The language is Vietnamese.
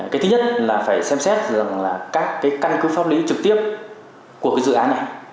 cái thứ nhất là phải xem xét các căn cứ pháp lý trực tiếp của dự án này